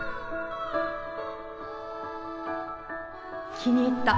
気に入った。